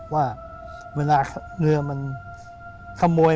ว่าเวลาเรือมันขโมย